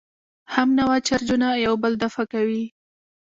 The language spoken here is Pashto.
همنوع چارجونه یو بل دفع کوي.